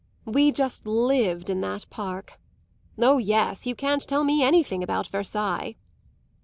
We just lived in that park. Oh yes; you can't tell me anything about Versailles."